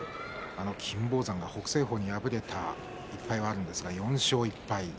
金峰山と北青鵬に敗れた１敗はあるんですが４勝１敗。